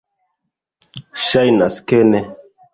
Ŝajnas ke ne.